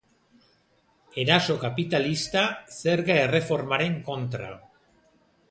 Eraso kapitalista zerga erreformaren kontra.